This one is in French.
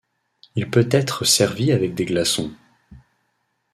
Il peut être servi avec des glaçons.